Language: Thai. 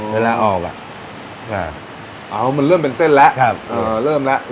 เวลาออกอ่ะเอามันเริ่มเป็นเส้นแล้วเริ่มแล้ว